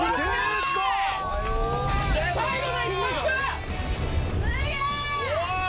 最後の一発！